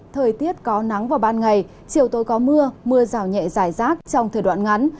thời tiết có nắng vào ban ngày chiều tối có mưa mưa rào nhẹ dài rác trong thời đoạn ngắn